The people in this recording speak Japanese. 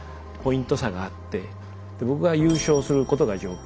で僕が優勝することが条件。